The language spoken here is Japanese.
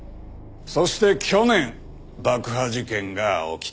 そして去年爆破事件が起きた。